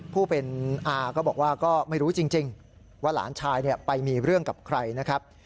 ผู้เป็นอาก็บอกว่าก็ไม่รู้จริงว่าหลานชายไปมีเรื่องกับใครนะครับ